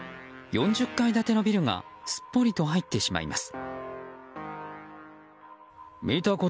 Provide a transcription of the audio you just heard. ４０階建てのビルがすっぽりと入ってしまいます。